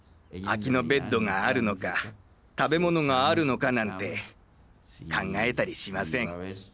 空きのベッドがあるのか食べ物があるのかなんて考えたりしません。